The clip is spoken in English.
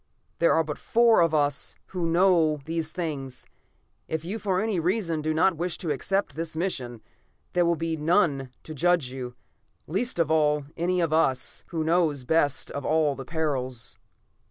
There are but four of us who know these things. If you for any reason do not wish to accept this mission, there will be none to judge you, least of all, any one of us, who know best of all the perils."